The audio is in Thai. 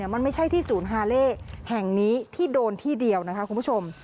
มันไม่ใช่ที่ศูนย์ฮาเล่แห่งนี้ที่โดนที่เดียวนะคะคุณผู้ชม